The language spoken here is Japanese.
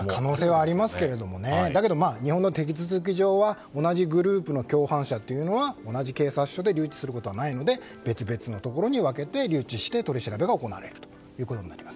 ありますけどだけど日本の手続き上は同じグループの共犯者は同じ警察署で留置することはないので別々のところに分けて留置して取り調べが行われることになります。